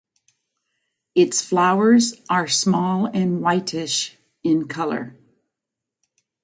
Its flowers are small and whitish in color.